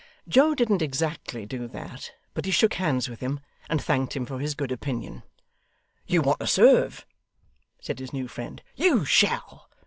Joe didn't exactly do that, but he shook hands with him, and thanked him for his good opinion. 'You want to serve,' said his new friend. 'You shall.